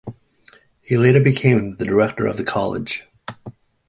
He later became the director of the College.